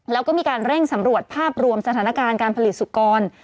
แล้วก็มีการเร่งสำรวจภาพรวมสถานการณ์การผลิตสุกร